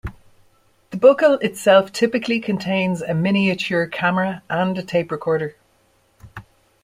The buckle itself typically contains a miniature camera and a tape recorder.